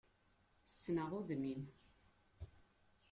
Ssneɣ udem-im.